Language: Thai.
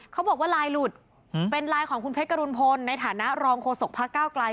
เขาบอกว่าไลน์หลุดเป็นไลน์ของคุณเพชรกรุณพลในฐานะรองโฆษกพระเก้าไกล